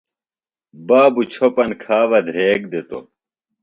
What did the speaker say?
بابُوۡ چھوۡپن کھا بہ دھریک دِتوۡ